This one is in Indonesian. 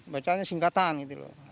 bacanya singkatan gitu loh